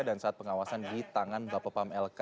saat pengawasan di tangan bapak pam lk